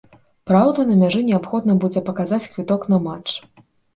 Праўда, на мяжы неабходна будзе паказаць квіток на матч.